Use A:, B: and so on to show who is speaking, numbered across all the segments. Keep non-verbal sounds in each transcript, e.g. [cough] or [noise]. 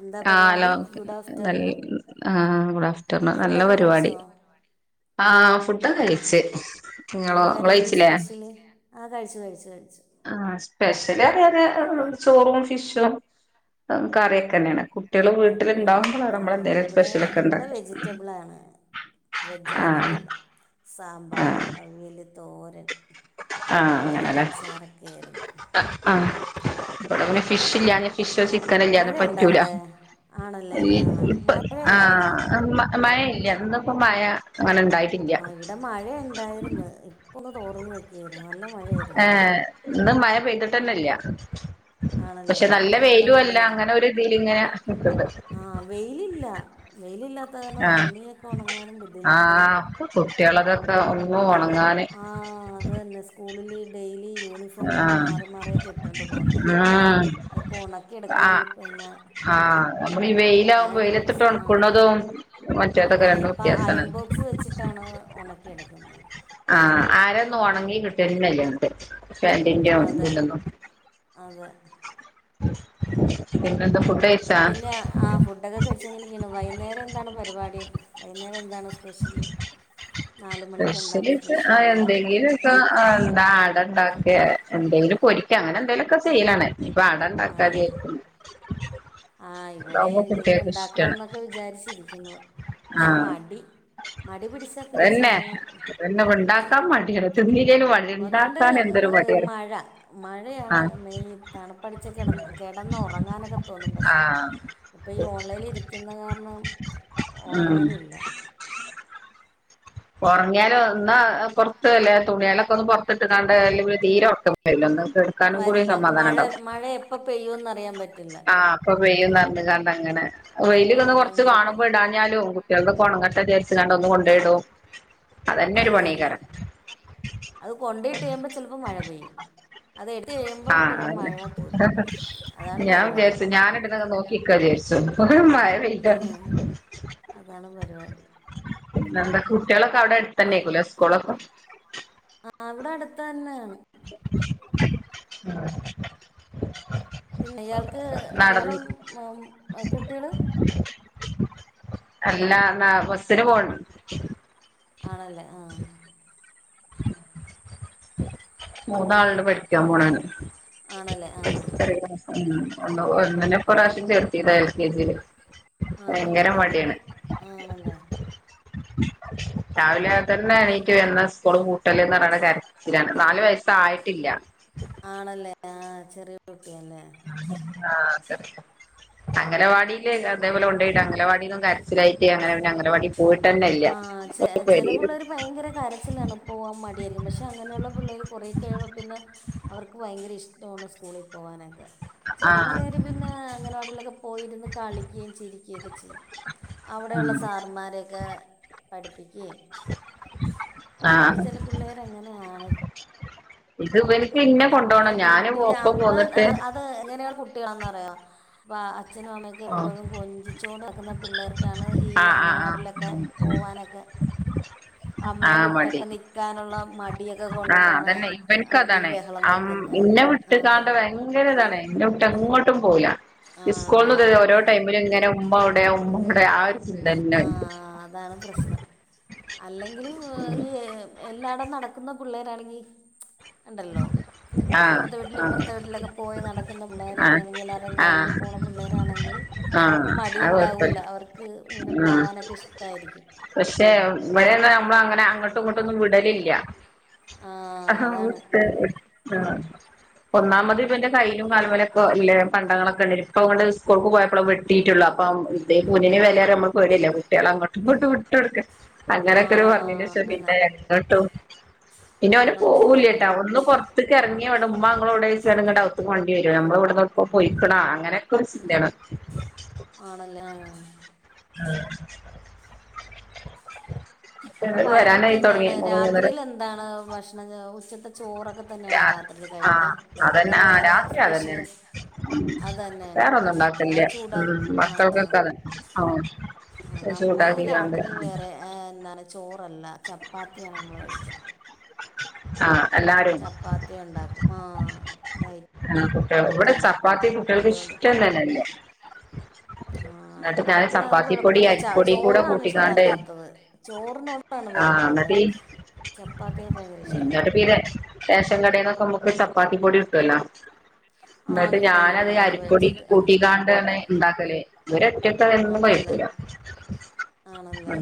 A: എന്താ
B: ആഹ് ഹലോ
A: പരിപാടി ഗുഡ്
B: നല്ല
A: ആഫ്റ്റർനൂൺ
B: ആഹ് ഗുഡാ ആഫ്റ്റർനൂൺ നല്ല
A: ഫുഡൊക്കെ കഴിച്ചോ
B: പരിപാടി ആഹ് ഫുഡ്ഡൊക്കെ കഴ്ച്ച്
A: എന്തായിരുന്നു ഇന്ന് സ്പെഷ്യല് ആഹ് കഴിച്ചു കഴിച്ചു കഴിച്ചു
B: ആഹ് സ്പെഷ്യല് അറിയാന് ചോറും ഫിഷും കറിയൊക്ക ന്നേണ് കുട്ട് കുട്ട്യാൾ
A: അടിപൊളി
B: വീട്ടില്ണ്ടാവുമ്പളാണ്
A: ഓ
B: ഞമ്മളെന്തേലൊക്ക
A: ഇവിടെ
B: സ്പെഷ്യലൊക്ക ഇണ്ടാക്ക
A: വെജാ ആയിരുന്നല്ലൊ സാമ്പാറ്
B: ആഹ്
A: അവിയല് തോരൻ
B: ആഹ്
A: അങ്ങനെ
B: അങ്ങനല്ലേ
A: അച്ചാറൊക്കെ ആയിരുന്നു
B: ആഹ് ഇവടെ ഇങ്ങനെ ഫിഷ് ഇല്ലാഞെ ഫിഷൊ ചിക്കനൊ ഇല്ലാതെ
A: മഴയുണ്ടോ
B: പറ്റൂല
A: അവിടെ ആണല്ലേ ആ
B: ഇപ്പ
A: മഴയുണ്ടോ അവിടെ
B: ആഹ് മ മഴ ഇല്ല ഇന്ന്പ്പൊ മഴ അങ്ങനെ ഇണ്ടായ്
A: ആഹ് ഇവടെ മഴ ഇണ്ടായിരുന്ന് ഇപ്പൊ ഒന്ന് തോർന്ന് നിക്കായിര്ന്ന് നല്ല മഴയായിരുന്നു
B: ഏഹ് ഇന്ന് മഴ പെയ്ന്തിട്ടന്നെല്ല്യ
A: ആണല്ലേ
B: പക്ഷെ നല്ല
A: ഇവിടെ
B: വെയിലും അല്ല
A: മഴയായിരുന്നു
B: അങ്ങനൊര് ഇതിൽ ഇങ്ങനെ നിക്ക്ണ്ട്.
A: ആഹ് വെയിലില്ല വെയിലില്ലാത്ത കാരണം
B: ആഹ്
A: തുണിയൊക്കെ ഒണങ്ങാനും ബുദ്ധിമുട്ട്.
B: കുട്ട്യാളതൊക്കെ ഒന്ന് ഒണങ്ങാന്
A: ആഹ് അതുത്തന്നെ സ്കൂളിൽ ഡെയിലി യൂണിഫ് ഫോമൊക്കെ
B: ആഹ്
A: മാറി മാറിയൊക്കെ ഇട്ടൊണ്ട് പോണ്ടേ
B: ഉം
A: അതൊക്കെ ഒണക്കി
B: ആഹ്
A: എടുക്കണങ്കി പിന്നെ
B: ആഹ് അപ്പ ഈ വെയിലാകുമ്പൊ
A: അയൺ ബോക്സ്
B: വെയിലത്തിട്ട് ഒണക്ക്ണതും മറ്റേതൊക്കെ ക
A: ഇപ്പ ആഅയൺബോക്സ് വെച്ചിട്ടാണ് ഒണക്കിയെടുക്കുന്നത്.
B: ആഹ് അര ഒന്നും ഒണങ്ങി കിട്ടന്നെല്ല ങ്ങട്ട് പാന്റിന്റെ
A: അതെ
B: ഇതിന്റെ ഒന്നും.
A: അതെ
B: പിന്നെ എന്ത? ഫുഡ് ക
A: പിന്നെ ആഹ് ഫുഡൊക്കെ കഴിച്ചങ്ങനെ ഇരിക്കുന്നു. വൈന്നേരം എന്താണ് പരിപാടി? വൈന്നേരം എന്താണ് സ്പെഷ്യല്? നാല് മണിക്ക് എന്താണ്
B: സ്പെഷ്യല്
A: സ്പെഷ്യൽ?
B: ആ
A: നാല് മണി
B: എന്തെങ്കിലുമൊക്കെ എന്താ അട ഇണ്ടാക്കെ എന്തെങ്കിലും പൊരിക്കെ അങ്ങനെ എന്തേലൊക്കെ ചെയ്യലാണ്. ഇപ്പ അടണ്ടാക്ക
A: ആഹ്
B: കര്ത്ണ്
A: ആഹ് ഇവടെ എന്തെങ്കിലും
B: കുട്ടികൾക്ക് ഇഷ്ടാണ്
A: ഇണ്ടാക്കണോന്നൊക്കെ വിചാരിച്ചിരിക്കുന്നു പക്ഷെ
B: ആഹ്
A: മടി. മടി പിടിച്ചാൽ പിന്നെ
B: അതന്നെ
A: ചെയ്യാൻ
B: അതന്നെ ഇണ്ടാക്കാൻ മടിയാണ് തിന്നീലെങ്കിലും വാണ്ടീല.
A: ഒന്നാമത് മഴ മഴയാണ്
B: ആഹ്
A: മെയിൻ തണുപ്പടിച്ച് കെടന്ന് കെടന്ന് ഒറങ്ങാനൊക്കെ തോന്നും പക്ഷേ
B: ആഹ്
A: ഇപ്പം ഈ ഓൺലൈനി ഇരിക്കുന്ന കാരണം
B: ഉം
A: ഉറങ്ങലില്ല.
B: ഉറങ്ങിയാലോ എന്നാ പുറത്തല്ല തുണികളൊക്കെ ഒന്ന് പുറത്തിട്ട് കാണ്ട് അയിലെമൽ തീര ഉറക്കം വരൂല അന്ന്. കെട്ക്കാനും കൂടി
A: വരില്ല മഴ
B: സമാധാനംണ്ടാവുല.
A: മഴ എപ്പോൾ പെയ്യുമെന്ന് അറിയാൻ പറ്റില്ല
B: ആഹ് അപ്പൊ വെയ്യുംന്ന് പറഞ്ഞിക്കാണ്ട് അങ്ങനെ വെയിലൊന്ന്
A: അത്
B: കൊറച്ച് കാണുമ്പോ ഇട
A: കൊണ്ടിട്ട്
B: ലും കുട്ടികൾതൊക്കെ ഒണങ്ങട്ടെന്ന് വിചാരിച്ച് കാണ്ട് ഒന്ന് കൊണ്ടേയിടും.
A: അത് തന്നെ അത് കൊണ്ടീട്ടയ്യുമ്പോ ചിലപ്പോ മഴ പെയ്യും. അത് എടുത്ത് കഴിയുമ്പോ
B: ആഹ്
A: പിന്നെ
B: അതന്നെ
A: മഴ തോരും അതാണ് പരിപാടി.
B: നോക്കിക്ക വിചാര്ച്ചും മഴ ബെയ്യ്
A: അതാണ് പരിപാടി.
B: പിന്ന എന്താ കുട്ടികളൊക്കെ അവിടെ അടുത്തന്നെ ആയിക്കുലെ സ്കൂളൊക്കെ?
A: അവിടെ അടുത്തന്നെ.
B: [unintelligible]
A: പിന്നെ ഇയാൾക്ക് ഇയാള
B: നടന്ന്
A: കുട്ടികള്?
B: അല്ലന ബസിന് പോണം.
A: ആണല്ലേ ആഹ്
B: മൂന്നാൾണ്ട് പഠിക്കാൻ പോണാണ്.
A: ആണല്ലേ ആ
B: [unintelligible] ഉം ഒന്ന് ഒന്നിനപ്രാവിശ്യേം ചേർത്തിത എൽ കെ ജി ല്.
A: ആ
B: ഭയങ്കര
A: എനി- എനിക്കും
B: മടിയാണ്.
A: ആണല്ലേ
B: രാവിലെ തന്നെ നീറ്റ് വരുന്നത്. സ്കൂള് പൂട്ടലന്ന് പറഞ്ഞാണ്ട് കരച്ചിലാണ് നാല് വയസായിട്ട്
A: ആണല്ലേ ആഹ് ചെറിയ കുട്ടിയല്ലേ
B: ആഹ് അങ്ങലവാടില്തേപോലെ കൊണ്ടയിട അംഗലവാടിയിന്നും കര് ചിലായിട്ട് അങ്ങനെ പിന്നെ അംഗനവാടി പോയിട്ടന്നെ ഇല്ല
A: ആഹ് ചെല പുള്ളേര് ഭയങ്കര കരച്ചിലാണ് പോകാൻ മടിയായിരിക്കും പക്ഷെ അങ്ങനെയുള്ള പിള്ളേർ കുറെ കഴിയുമ്പോ പിന്നെ അവർക്ക് ഭയങ്കര ഇഷ്ടമാണ് സ്കൂളിൽ പോകാനൊക്കെ. ചെല
B: ആഹ്
A: പിള്ളേര് പിന്നെ അങ്ങല വാടിലൊക്കെ പോയിരുന്ന് കളിക്കുകയും ചിരിക്കുകയും ഒക്കെ ചെയ്യും. അവിടെ
B: ഉം
A: ഉള്ള സാറമാരൊക്കെ... പഠിപ്പിക്കുകയും അത്
B: ആഹ്
A: ചില പിള്ളേർങ്ങനെയാണ്.
B: ഇത് ഇവനിക്ക് ഇന്നെ
A: എന്ന് പറഞ്ഞ
B: കൊണ്ടോണം ഞാന്
A: വീട്ടില്
B: ഒപ്പം
A: ഇപ്പൊ
B: പോന്നിട്ട്
A: അത് എങ്ങനെയാണ് കുട്ടികളന്നറിയൊ അച്ഛനും അമ്മ ക്ക
B: ആഹ്
A: എപ്പോഴും കൊഞ്ചിച്ചുക കൊണ്ടാക്കുന്ന പിള്ളേർക്കാണ് ഈ
B: ആഹ് ആഹ്
A: അങ്ങനെവാടലിലൊക്കെ പോവാനൊക്കെ അമ്മയെ
B: ആഹ് മടി
A: വിട്ടൊക്കെ നിക്കാനുള്ള മടിയൊക്കെ
B: ആഹ്
A: കൊണ്ടിട്ടാണ്
B: അതന്നെ ഇവൻക്ക്
A: അവടെ ഈ ബഹളം വെക്കുന്നത് ആഹ്
B: ഭയങ്കരതാണ് എന്നട്ട് എങ്ങോട്ടും പോവില്ല
A: ആ
B: ഈ സ്കൂളന്ന്
A: അത്
B: ദേ ടൈമിൽ ഇങ്ങനെ ഉമ്മെവിടെ ഉമ്മ കൂടെ ആഹ്
A: ആഹ് അതാണ് പ്രശ്നം അല്ലെങ്കിലും ഈ എല്ലായിടം നടക്കുന്ന പിള്ളേരാണെങ്കി ഉണ്ടല്ലോ
B: ആഹ്
A: അപ്പുറത്തെ വീട്ടിൽ
B: ആഹ്
A: ഇപ്പുറത്തെ വീട്ടിലൊക്കെ പോയി നടക്കുന്ന പിള്ളേരൊക്കെ
B: ആഹ്
A: ആണെങ്കിൽ എല്ലാവരുടെയും കയ്യിൽ
B: ആഹ്
A: പോണ പിള്ളേരാണെങ്കിൽ അവർക്ക്
B: ആഹ് അത്
A: മടിയുണ്ടാവില്ല
B: കൊഴപ്പല്ല
A: അവർക്ക് ഇങ്ങനെ
B: ഉം
A: പോവാനൊക്കെ ഇഷ്ടമായിരിക്കും
B: പക്ഷെ ഇപ്പഴെ നമ്മള് അങ്ങനെ അങ്ങോട്ട് ഇങ്ങോട്ടൊന്നും വിടലില്ല
A: ആ അതാണ്
B: ഒന്നാമത് ഇവന്റെ കയ്യിമ്മലും കാലുമ്മലൊക്കെ ഇല്ലേ പണ്ടങ്ങളൊക്കെണ്ട് ഇപ്പ ഈ സ്കൂൾക്ക് പോയപ്പോ കിട്ടയിട്ടുള്ളു അപ്പം ഇതേ കുഞ്ഞിന്റെ വില നമ്മള് പേടിയല്ലേ കുട്ടികളെ അങ്ങോട്ടുംങ്ങോട്ട് വിട്ട് എടുക്ക
A: ആ
B: അങ്ങനെയൊക്കെ ഒരു പറഞ്ഞേന്റേഷം
A: അങ്ങനെ
B: പിന്നെ എങ്ങോട്ടും പിന്നെ അവന്
A: ആണല്ലേ ആ
B: പോവില്ലിട്ടാ ഒന്ന് കൊറ പുറത്തിക്ക് ഇറങ്ങി വിടുമ്പോൾ അങ്ങൾവിടെ വച്ച് വണ ഡൗട്ട് കൊണ്ട് വരും നമ്മൾ ഇവിടുന്ന് ഇപ്പോയിക്കണ അങ്ങനെ പ്രസിദ്ധിയാണ്
A: ആണല്ലേ ആഹ്
B: ആഹ്
A: അപ്പൊ വൈകിട്ട് എന്താണ് രാത്രീൽ എന്താണ് ഭക്ഷണം ഉച്ചത്തെ ചോറൊക്കെ തന്നെണോ
B: രാ
A: രാത്രീൽ കഴിക്ക
B: ആഹ്
A: അതോ
B: അതന്നെ ആ
A: വേറെ
B: രാത്രി
A: സ്പെഷ്യൽ
B: അതന്നെയാണ്
A: അതന്നേണ് ആഹ്
B: ഇല്ല
A: അത് ചൂടാ
B: ഉം
A: ആഹ്
B: മക്കൾക്കൊക്ക തന്നേ ആഹ്
A: ആഹ് നമ്മക്ക് രാത്രി
B: ചൂടാക്കിക്കാണ്ട്
A: വേറെ ഏ എന്താണ് ചോറല്ല ചപ്പാത്തിയാണ് നമ്മൾ കഴിക്ക
B: ആഹ് അല്ല
A: ചപ്പാത്തി ഉണ്ടാക്കും ആഹ് ഡൈ
B: ആഹ് കുട്ടേൾക്ക് ഇവടെ ചപ്പാത്തി കുട്ടേൾക്ക്
A: അതുകൊണ്ട്
B: ഇഷ്ടം നന്നല്ല്യ
A: ആഹ്
B: ന്ന്ട്ട് ഞാൻ
A: ഇവിടെ പിന്നെ അത്
B: ചപ്പാത്തി പൊടി
A: കുഴപ്പമില്ല ച
B: അരിപ്പൊടീ കൂടെ
A: ചോറാണ്
B: കൂട്ടിങ്ങാണ്ട്
A: ഇഷ്ടമല്ലാത്തത് ചോറിനോടാണ്
B: ആഹ്
A: വെറുപ്പ് ഇവിടെ
B: എന്നിട്ടീ
A: ചപ്പാത്തിയൊക്കെ ഭയങ്കര ഇഷ്ടമാണ്
B: എന്നിട്ട്പ്പീരെ റേഷൻ കടേന്നൊക്കെ നമുക്ക് ചപ്പാത്തി പൊടി കിട്ടൊല്ലോ
A: ആഹ്
B: ന്ന്ട്ട്
A: കിട്ടും കിട്ടും
B: ഞാനത്
A: അത്
B: അരിപ്പൊടി
A: വെച്ചിട്ട് ആഹ്
B: കൂട്ടിങ്ങാണ്ടാണ് ഇണ്ടാക്കല് ഇവരറ്റക്കത് എന്നും
A: ആണല്ലേ
B: കഴിക്കൂല
A: ആണല്ലേ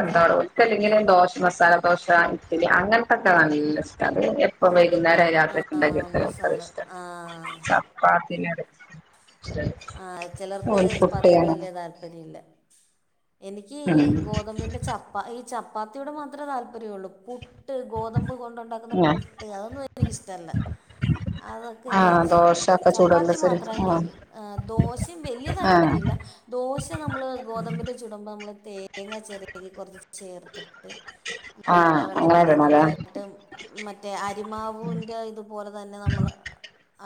B: എന്താടൊ വർക്കല്ലെങ്കിലും ദോശ മസാല ദോശ ഇട്ട്ലി അങ്ങൻത്തൊക്ക നല്ല ഇഷ്ട അത് എ ഇപ്പൊ വൈകുന്നേരം രാത്രി ഒക്കെ ഇണ്ടാക്കി
A: ആഹ്
B: കൊടുത്താ ഓൽ കത്
A: മസാല
B: ഇഷ്ട
A: ആഹ്
B: ചപ്പാത്തി നോട്
A: ആഹ് ചലർക്ക്
B: ഓല് പുട്ട്
A: ചപ്പാത്തിയോട്
B: അങ്ങനെ
A: വല്ല്യ താല്പര്യല്ല്യ എനിക്ക് ഈ
B: ഉം
A: ഗോതമ്പിന്റെ ചപ്പാ ഈ ചപ്പാത്തിയോട് മാത്ര താല്പര്യ ഒള്ളൂ പു ട്ട് ഗോതമ്പ് കൊണ്ട് ഉണ്ടാക്ക്ന്ന
B: ആ
A: പുട്ട് അതൊന്നും എനിക്കിഷ്ടല്ല അതൊക്കെ എനിക്ക്
B: ആഹ്
A: അരിശാണ്
B: ദോശൊക്കെ ചൂടല്ല
A: ചപ്പാത്തി
B: ശരി
A: മാത്രം
B: ആഹ്
A: കഴിക്കും ആ ദോശിം വല്യ
B: ആഹ്
A: താല്പര്യല്ല ദോശ നമ്മള് ഗോതമ്പിന്റെ ചുടുമ്പ നമ്മള് തേങ്ങ ചരക്കി കൊറച്ച് ചേർത് ട്ട് നമ്മൾക്ക് ആ
B: ആഹ് അങ്ങനെ
A: വെള്ളത്തിൽ
B: ഇടണല്ലേ
A: നന്നായിട്ട് മറ്റേ അരിമാവ്ൻ്റെ ഇതുപോലെ തന്നെ നമ്മൾ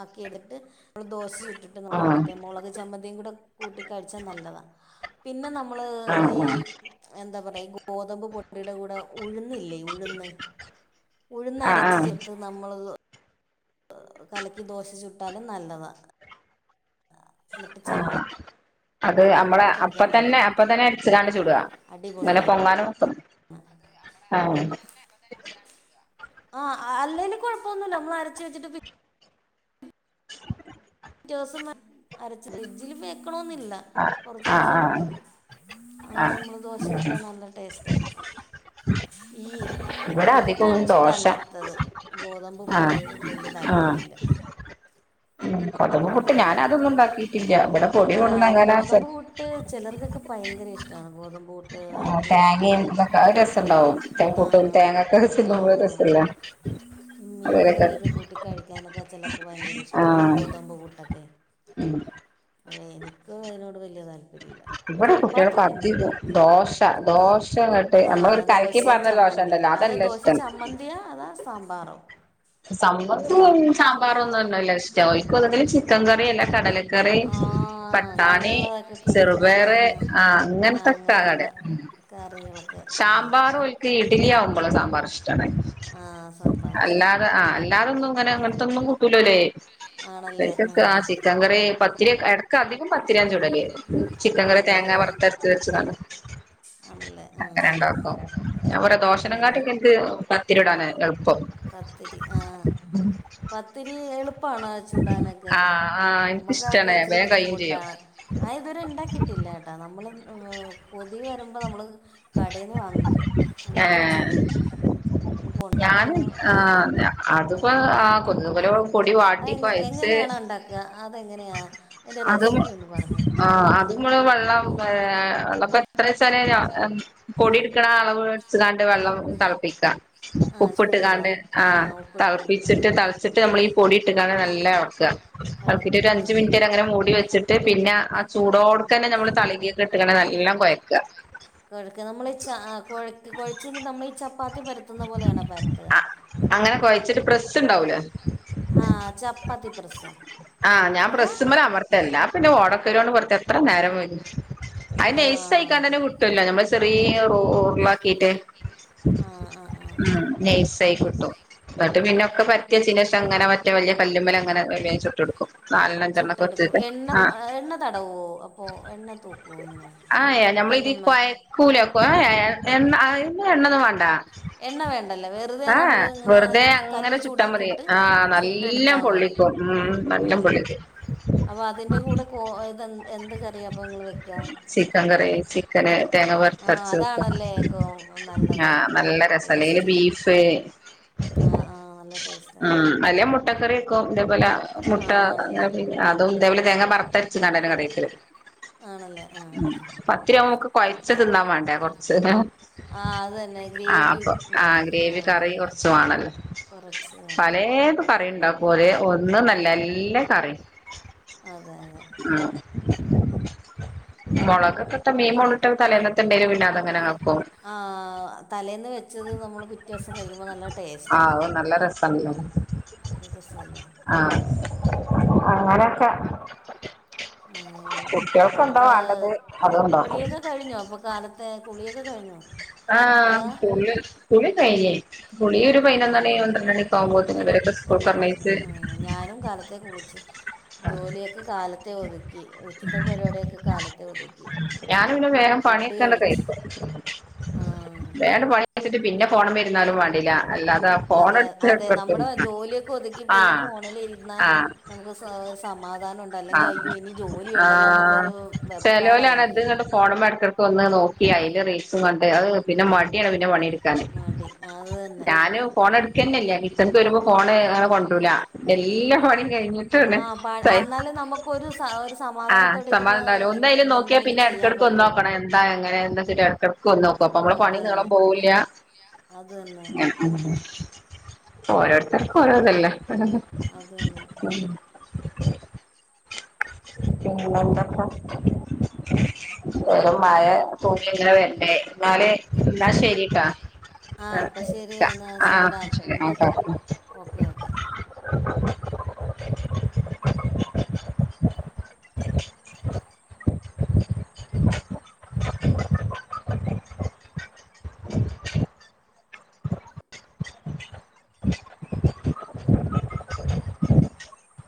A: ആക്കിയെടുത് നമ്മള് ദോശ ചുട്ട്
B: ആഹ്
A: മറ്റേ മൊളക് ചമ്മന്തിയും കൂടെ കൂട്ടി കഴിച്ചാ നല്ലതാ പിന്നെ നമ്മള്
B: ആഹ്
A: ഈ എന്താ പറയാ ഗോതമ്പ് പൊ ടി കൂടെ ഉഴ്ന്നില്ലേ ഉഴ്ന്ന്
B: ആഹ് ആഹ്
A: ഉഴ്ന്നരച്ച് ചേർത്ത്
B: ആഹ്
A: നമ്മൾ കലക്കി ദോശച്ചുട്ടാലും നല്ലതാ എന്നിട്ട് ചമ്മന്തിയും
B: ആഹ് അത് അമ്മളേ
A: കൂട്ടി
B: അപ്പ
A: കഴിക്കാൻ
B: തന്നെ
A: നല്ലതാ
B: അപ്പ തന്നെ അരച്ച് ങ്ങാട് ചുടാ ഇങ്ങനെ പൊങ്ങാനും
A: അത് അമ്മളേ
B: ആഹ്
A: അപ്പതന്നെ അപ്പ തന്നെ അരച്ച് ങ്ങാട് വെക്ക ആഹ് അല്ലേല് കൊഴപ്പൊന്നൂല്ല മ്മള് അരച്ച് വെച്ചിട്ട് പി പിറ്റോസം അരച്ച് ഫ്രിഡ്ജിൽ വെക്കണോന്നില്ല
B: ആഹ്
A: പൊറത്തു
B: ആഹ്
A: വച്ചാലും
B: ആഹ്
A: മതി അങ്ങന
B: ആഹ്
A: നമ്മള് ദോശ
B: ഉം
A: ചുട്ടാ നല്ല ടേസ്റ്റാആരിക്കും ഈ
B: ഇവിടെ അധികവും
A: പുട്ടാണ്
B: ദോശ
A: ഇഷ്ടല്ലാത്തത് ഗോതമ്പ്
B: ആഹ്
A: പുട്ട് വല്യ
B: ആഹ്
A: താല്പര്യല്ല
B: ഉം ഗോതബ് പുട്ട് ഞാനതൊന്നും ഉണ്ടാക്കിയിട്ടില്ല ഇവടെ പൊടി കൊണ്ടുന്നങ്ങ
A: ഗോതബ് പുട്ട് ചെലർക്കൊക്കെ ഭയങ്കര ഇഷ്ടാണ് ഗോതമ്പു ഡ് അവര് മറ്റേ
B: തേങ്ങയും ഇതൊക്കെ അത്
A: തേങ്ങിം തൊക്കെ അത് രസണ്ടാവും
B: പുട്ടും
A: ആഹ്
B: തേങ്ങൊക്കെ തിന്നുമ്പോ
A: ആഹ്
B: രസല്ലേ അവരൊക്കെ
A: മീങ്കറിയൊക്കെ കൂട്ടി കഴിക്കാനൊക്കെ ചലർക്ക് വയങ്കര ഇഷ്ടാ
B: ആഹ്
A: ഗോതമ്പ് പുട്ടൊക്കെ
B: ഉം
A: അല്ലെ എനിക്ക് അയ്നോട് വല്യ താൽ [unintelligible]
B: ഇവിടെ
A: ചപ്പാത്തി
B: കുട്ടികൾക്ക്
A: തിന്നും
B: അധികം
A: ദോശ
B: ദോശ അങ്ങട്ട്
A: ദോശ ആഹ്
B: നമ്മളൊരു കലക്കി
A: ദോശിം
B: പാർന്ന ദോശ
A: ചമ്മന്തിം
B: ഉണ്ടല്ലോ
A: അത്
B: അതല്ല
A: ദോശ
B: ഇഷ്ടം
A: ചമ്മന്തിയാ അതാ സാമ്പാറോ
B: സമ്മന്തിം ശാമ്പാറൊന്നുഅല്ല ഇഷ്ടം ഓൽക്ക് ഒന്നുങ്കിൽ ചിക്കൻ കറി അല്ലകടല ക്കറി പട്ടാണി
A: കടലക്കറി ചപ്പാത്തി
B: ചെറുപയർ
A: സാമ്പാറ്
B: ആഹ് അങ്ങൻത്തൊക്കെ
A: അങ്ങനത്തൊക്കെ
B: ക്ക
A: അതാണ് കറികളൊക്കെ ആ
B: ശാമ്പാർ ഓൽക്ക് ഇഡ്ലി ആവുമ്പളാ സാമ്പാർ ഇഷ്ടാണ്
A: ആ സാമ്പാർ ഇഷ്ടം
B: അല്ലാത ആഹ് അല്ലാതൊന്നും ഇങ്ങനെ ഇങ്ങൻത്തൊന്നും കൂട്ടൂല്ല ഓല് ഇവർക്കൊക്കെ ആ ചിക്കൻ കറി പത്തിരിയൊക്കെ എട്ക്ക് അധികും പത്തിരിയാ ചുടല്. ചിക്കൻ കറി
A: ആണല്ലേ
B: തേങ്ങ
A: ആ
B: വറുത്തരച്ച് വച്ചതാണ്.
A: ആണല്ലേ ആ
B: അങ്ങനണ്ട് വക്കും. ഞാൻ പറ്യ
A: ആണല്ലേ
B: ദോശനെങ്കാട്ടിക്കെ ഇൻക്ക് പത്തിര്യുടാന എൾപ്പം.
A: പത്തിരി. ആഹ്
B: ഉം
A: പത്തിരി എളുപ്പാണോ ചുടാനൊക്കെ.
B: ആഹ് ആഹ് എനിക്കിഷ്ടാണ്
A: നമ്മക്കതൊക്കെച്ചിരി
B: വേഗം കയ്യും ചെയ്യും
A: ബുദ്ധിമുട്ടാണ്. ആഹ് ഇതുവരെ ഇണ്ടാക്കിട്ടില്ലാട്ടാ. നമ്മള് ഈഹ് കൊതി വരുമ്പോ നമ്മള് കടേന്ന് വാങ്ങിക്കും. എന്നിട്ട്
B: ഏഹ്
A: ചുടും. മ്മക്ക് ഉണ്ടാക്കാനൊന്നു അറിയില്ല.
B: അത്പ്പാ ആഹ് കുന്ന്കുലവവും. പൊടി
A: അത്
B: വാട്ടി
A: എ
B: കൊയച്ച്
A: എങ്ങനെയാണ് ഉണ്ടാക്കുക അതെങ്ങനെയാ അതിൻ്റെ
B: അതും
A: റെസിപ്പി ഒന്ന് പറഞ്ഞ്
B: ആഹ് അത് മ്മള് വെള്ളം ഏഹ് വെള്ളപ്പത്രേച്ചാല് നാ പൊടിട്ക്കണ അളവ് ട്ത്ത്ക്കാണ്ട് വെള്ളം തൾപ്പിക്ക.
A: ആ
B: ഉപ്പ്‌ട്ട്ക്കാണ്ട്
A: ചൂടുവെള്ളം ആ
B: ആഹ്
A: ഉപ്പിട്ട് കൊണ്ട്
B: തൾപ്പിച്ചിട്ട് തൾച്ചിട്ട് നമ്മളീ പൊടിട്ട്ക്കാണ്ട് നല്ല എൾക്കാ
A: ആ
B: എളക്കീട്ട് ഒരു
A: ഇളക്കുക
B: അഞ്ച് മിനിറ്റ് നേരം അങ്ങനെ മൂടി വെച്ചിട്ട് പിന്നെ ആഹ് ചൂടോടുക്കന്നെ നമ്മള് തളീകേക്ക്ട്ട്ണ് നല്ലോം കൊയ ക്ക.
A: കുഴക്ക. നമ്മള് ച കുഴക്ക് കുഴച്ച് കഴിഞ്ഞാ നമ്മളീ ചപ്പാത്തി പര
B: ആഹ് അങ്ങനെ കൊഴച്ചിട്ട് പ്രസ്സ്ണ്ടാവൂലേ
A: ആഹ് ചപ്പാത്തി പ്രസ്സ്. അതാ
B: ട്ടല്ലാപിന്നെ ഓടക്കൊയലോണ്ട് പൊറത്താ എത്ര നേരം വെയ്കും അയ്ന്
A: ആ
B: നൈസായിക്കാണ്ടന്നെ കിട്ടൂല്ലോ നമ്മള് ചെറ്യേ റോ ഉർളാക്കിട്ട്.
A: ആ ആ ആ
B: ഉം നൈസായി കിട്ടും. ന്നട്ട് പിന്നൊക്കെ പരത്തി വെച്ചേനു ശേഷം അങ്ങനെ മറ്റേ വല്യ കല്ലുമ്മലങ്ങനെ വേം വേം ചുട്ടെടുക്കും. നാലെണ്ണം അഞ്ചെണ്ണൊക്കെ
A: ചുട്ടെടുക്കും.
B: വെച്ചിട്ട്
A: എണ്ണ
B: ആഹ്
A: എണ്ണ തടവോ അപ്പോ എണ്ണ തൂക്കോ ഇങ്ങനെ.
B: ആഹ് എ ഞമ്മളിതി
A: കല്ലുമ്മേ
B: കൊയക്കൂലെ അപ്പോ ഏയേ ആയെ എണ്ണ അയ്‌ന് എണ്ണൊന്നും വാണ്ട.
A: എണ്ണ വേണ്ടല്ലോ വെറുതെ
B: ഏ യേ
A: നമ്മൾ ഇങ്ങനെ
B: വെറുതെ അങ്ങനെ
A: കല്ല്
B: ചുട്ടാ മതി.
A: ചൂടാക്കിയിട്ട്
B: ആഹ് നല്ല
A: ചുട്ടെടുത്താൽ മതി
B: പൊള്ളിക്കും. ഉം നല്ലം പൊള്ളീക്കും.
A: അപ്പൊ അതിന്റെ കൂടെ കോ ഇത് എന്ത് കറിയാ അപ്പെ നിങ്ങള് വെക്കാ.
B: ചിക്കൻകറി. ചിക്കന് തേങ്ങ
A: ആഹ്
B: വറുത്തരച്ചതൊക്കെ.
A: അതാണല്ലേ കോ
B: ഞാ
A: നല്ലത് ഉം
B: നല്ല രസാ അല്ലേല്
A: ടേസ്റ്റിയ
B: ബീഫ്.
A: ആഹ് ആഹ് നല്ല ടേസ്റ്റ്
B: ഉം
A: ആയിരിക്കും
B: അല്ലേ മുട്ടക്കറ്യക്കും തേപോലെ മുട്ട
A: ആഹ് ആണല്ലേ ആഹ്
B: അതും തേ പോലെ തേങ്ങാ വറത്തരച്ച്ക്കാണ്ടന്നെ കറി
A: ആണല്ലേ ആഹ് ആഹ്
B: പത്തിരി ആവുമ്പമ്മക്ക് കൊഴച്ച് തിന്നാൻ വേണ്ടേ കൊർച്ച്ക്കെ
A: ആഹ് അത് തന്നെ ഗ്രേ
B: ആ അപ്പൊ ആ ഗ്രേവി കറി കൊർച്ചു വാണല്ലോ..
A: കുറച്ച് വേണം
B: പലേ തും കറി ണ്ടാക്കും. ഒരേ ഒന്ന്ന്നല്ല എല്ല കറിം.
A: അതെ അതെ
B: മൊളകൊക്കെട്ട, മീൻ മുള്ട്ടത് തലേന്നത്തണ്ടേൽ പിന്നതങ്ങനെ കാക്കും
A: ആഹ്‌ തലേന്ന് വെ ച്ചത് നമ്മള് പിറ്റേസം കഴിക്കുമ്പോ നല്ല
B: ആ
A: ടേസ്റ്റാണ്.
B: അത് നല്ല
A: രസവല്ലേ
B: ആഹ്‌ അങ്ങനെയൊക്കെ
A: ആഹ്
B: കുട്ട്യൾക്കെന്താ
A: അപ്പോൾ
B: വാണ്ടത് അത്ണ്ടാക്കും
A: കുളിയൊക്കെ കഴിഞ്ഞോ അപ്പോ കാലത്തെ കുളിയൊക്കെ കഴിഞ്ഞോ
B: ആഹ്‌
A: അതാ
B: കുളി, കുളിക്കയ് ഞ് കുളി ഒരു
A: ആഹ്
B: പയ്നൊന്നണി പന്ത്രണ്ടണിയൊക്കാവുമ്പോത്തിന്
A: അത്
B: ഇവരൊക്കെ
A: കഴിഞ്ഞു
B: സ്കൂൾക്കർഞ്ഞേച്ച്
A: ഉം ഞാനും കാലത്തെ കുളിച്ച്, ജോലിയൊക്കെ കാലത്തെ ഒതുക് - ക്കി. ഉച്ചത്തെ പരിപാടിയൊക്കെ കാലത്തെ ഒതുക്കി
B: ഞാൻ പിന്നെ വേഗം
A: ഫുഡ്
B: പണിയൊക്കെ അങ്ങട്
A: കഴിച്ച്
B: കഴിക്കും
A: ആഹ്‌
B: വേണ്ട പണി പിന്നെ ഫോണ് മ്മേ ഇര്ന്നാലും വാണ്ടില
A: അതെ അതെ, നമ്മുടെ ജോലിയൊക്കെ ഒതുക്കി പിന്നെ
B: ആഹ്
A: ഫോണിലിരുന്ന
B: ആഹ്
A: നമുക്ക് സമാധാനം ഉണ്ട് അല്ലെങ്കിൽ
B: ആഹ്
A: അയ്യോ ഇനി- ജോലി ഉണ്ടല്ലോ എന്നുള്ളൊരു വെപ്രാളം ആയിരിക്കും
B: മോഡലുക [unintelligible] ളൊക്കെ വന്നാൽ ഒന്ന് നോക്കി അതില് റേറ്റും കണ്ട് അത് പിന്നെ മടിയാണ് പിന്നെ പണി എടുക്കാൻ
A: മടി അത് തന്നെ
B: ഞാനോ ഫോൺ എടുക്കുക തന്നെയില്ല. കിച്ചണിലേക്ക് വരുമ്പോ ഫോണ് കൊണ്ടൂല എല്ലാ പണിയും- കഴിഞ്ഞിട്ടാണ്
A: ആ എന്നാലും നമുക്കൊരു സ -
B: ആ സമാധാനം ഉണ്ടാവൂല്ല ഒന്ന് എന്തായാലും നോക്കിയാ പിന്നെ
A: ചെയ്യാൻ
B: ഇടക്കിടക്ക് ഒന്ന് നോക്കണം
A: പറ്റുള്ളൂ
B: എന്താ എങ്ങനെന്താരി എടുക്കാ [unintelligible] ക്കടുക്ക ന്ന് നോക്കൂ അപ്പൊ നമ്മളെ
A: അത്
B: പണി നീളം
A: തന്നെ
B: പോവില്ല
A: അത് തന്നെ
B: ഓരോരുത്തർക്കും ഓരോതല്ലേ
A: അതു തന്നെ അത്
B: [inaudible] പിന്നെന്താപ്പാ വെറും മഴ തൂണി എവിടെ ഇടണ്ടെ എന്ന ശരിട്ടോ
A: ആ അപ്പം ശരി എന്നാൽ
B: ആ
A: ശരിയെടാ
B: ശരി ആ
A: പിന്നെ ഓക്കെ ഓക്കെ
B: [unintelligible] [inaudible] [inaudible] [unintelligible]